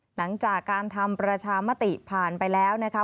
หลังจากการทำประชามติผ่านไปแล้วนะคะ